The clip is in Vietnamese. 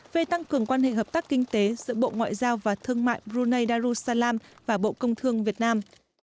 về tăng cường quan hệ hợp tác kinh tế giữa bộ ngoại giao và thương mại brunei darussalam và bộ công thương việt nam